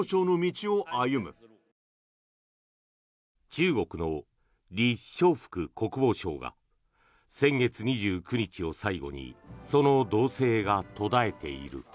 中国のリ・ショウフク国防相が先月２９日を最後にその動静が途絶えている。